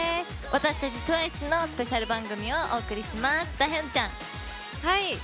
私たちＴＷＩＣＥのスペシャル番組をお送りします。